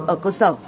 ở cơ sở